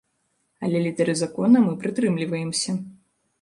Але літары закона мы прытрымліваемся.